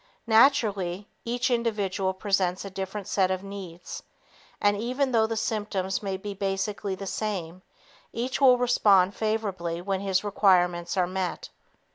Naturally, each individual presents a different set of needs and even though the symptoms may be basically the same, each will respond favorably when his requirements are met.